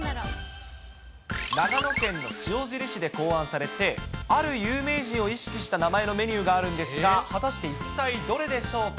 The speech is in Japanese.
長野県の塩尻市で考案されて、ある有名人を意識した名前のメニューがあるんですが、果たして一体どれでしょうか。